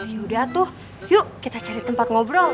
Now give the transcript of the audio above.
yaudah tuh yuk kita cari tempat ngobrol